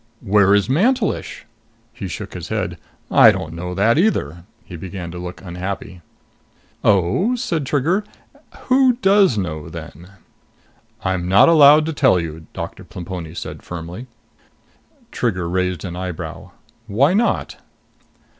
"Where is Mantelish?" He shook his head. "I don't know that either." He began to look unhappy. "Oh?" said Trigger. "Who does know then?" "I'm not allowed to tell you," Doctor Plemponi said firmly. Trigger raised an eyebrow. "Why not?"